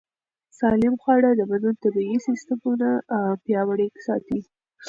سالم خواړه د بدن طبیعي سیستمونه پیاوړي ساتي.